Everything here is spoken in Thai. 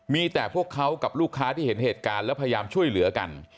มีแต่พวกเขากับลูกค้าที่เห็นเหตุการณ์แล้วพยายามช่วยเหลือกัน